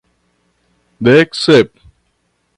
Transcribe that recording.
Dek sep.